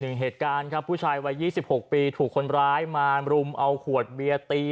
หนึ่งเหตุการณ์ครับผู้ชายวัยยี่สิบหกปีถูกคนร้ายมารุมเอาขวดเบียตี